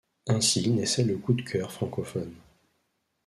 Ainsi naissait le Coup de cœur francophone.